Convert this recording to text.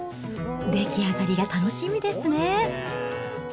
出来上がりが楽しみですね。